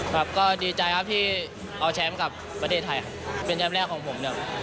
ครับก็ดีใจครับที่เอาแชมป์กับประเทศไทยครับเป็นแชมป์แรกของผมเนี่ย